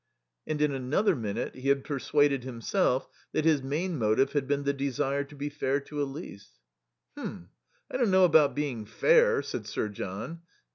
And in another minute he had persuaded himself that his main motive had been the desire to be fair to Elise. "H'm! I don't know about being fair," said Sir John.